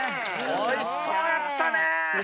おいしそうやったねぇ！